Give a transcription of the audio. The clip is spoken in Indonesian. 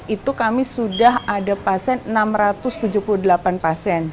itu kami sudah ada pasien enam ratus tujuh puluh delapan pasien